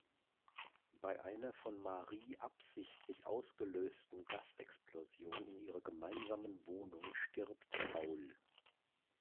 Bei einer von Marie absichtlich ausgelösten Gasexplosion in ihrer gemeinsamen Wohnung stirbt Paul.